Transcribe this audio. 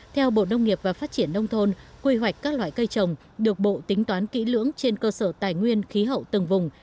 theo bộ nông nghiệp và phát triển nông thôn quy hoạch các loại cây trồng được bộ tính toán kỹ lưỡng trên cơ sở tài nguyên khí hậu từng vùng